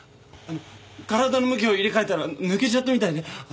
体の向きを入れ替えたら抜けちゃったみたいで。